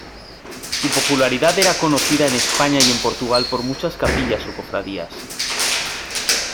Su popularidad era conocida en España y en Portugal por muchas capillas o cofradías.